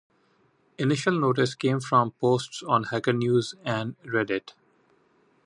Initial notice came from posts on Hacker News and Reddit.